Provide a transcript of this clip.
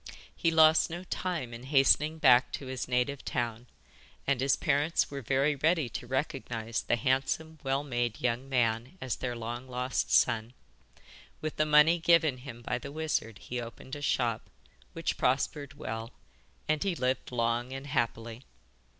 He lost no time in hastening back to his native town, and his parents were very ready to recognise the handsome, well made young man as their long lost son. With the money given him by the wizard he opened a shop, which prospered well, and he lived long and happily.